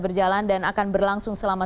berjalan dan akan berlangsung selama